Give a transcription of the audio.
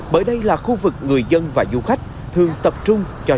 bởi đây là khu vực người dân và du khách thường tập trung cho